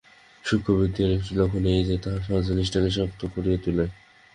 সূক্ষ্ম বুদ্ধির একটা লক্ষণ এই যে, তাহা সহজ জিনিসকে শক্ত করিয়া তুলে।